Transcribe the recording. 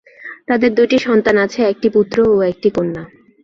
তাদের দুইটি সন্তান আছে, একটি পুত্র ও একটি কন্যা।